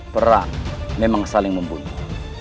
perang memang saling membunuh